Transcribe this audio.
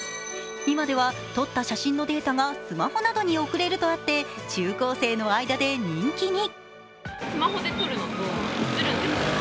今では撮った写真のデータなどがスマホに送れるとあって中高生の間で人気に。